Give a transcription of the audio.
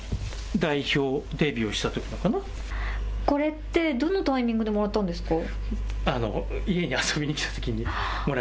これはどのタイミングでもらったものですか。